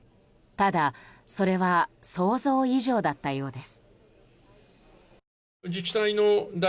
ただ、それは想像以上だったようです。